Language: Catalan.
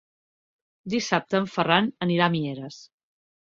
Dissabte en Ferran anirà a Mieres.